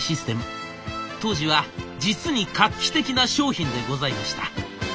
当時は実に画期的な商品でございました。